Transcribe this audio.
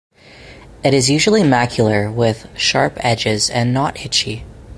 It is usually macular with sharp edges and not itchy.